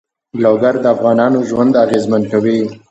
لوگر د افغانانو ژوند اغېزمن کوي.